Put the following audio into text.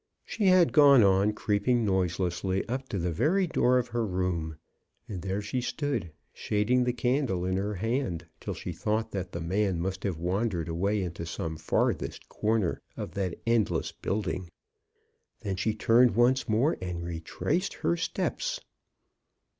She had gone on, creeping noiselessly up to the very door of her room, and there she stood, shading the candle in her hand, till she thought that the man must have wandered away into some farthest corner of that endless building. Then she turned once more and retraced her steps.